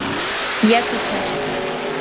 yaku chaspu.